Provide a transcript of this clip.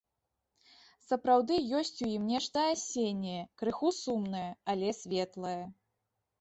Сапраўды ёсць у ім нешта асенняе, крыху сумнае, але светлае.